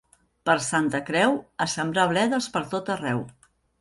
Per Santa Creu, a sembrar bledes per tot arreu.